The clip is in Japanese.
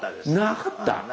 なかった。